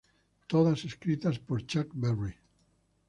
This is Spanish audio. Todas escritas por Chuck Berry.